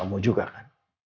kamu juga kan